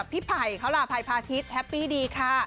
พี่ไผ่เขาล่าไผ่พาทิศแฮปปี้ดีค่ะ